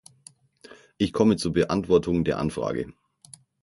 Ich komme zur Beantwortung der Anfrage.